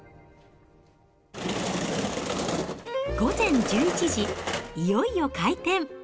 午前１１時、いよいよ開店。